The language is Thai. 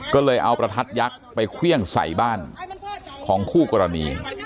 ก็เลยเอาประทัดยักษ์ไปเครื่องใส่บ้านของคู่กรณี